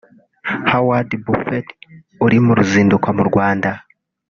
Howard Buffet uri mu ruzinduko mu Rwanda